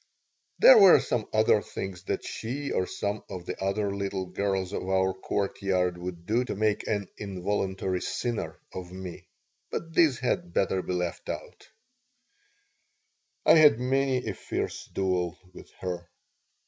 There were some other things that she or some of the other little girls of our courtyard would do to make an involuntary "sinner" of me, but these had better be left out I had many a fierce duel with her.